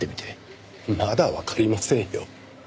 まだわかりませんよ。